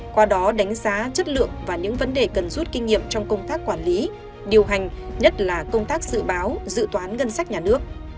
qua đó đánh giá chất lượng và những vấn đề cần rút kinh nghiệm trong công tác quản lý điều hành nhất là công tác dự báo dự toán ngân sách nhà nước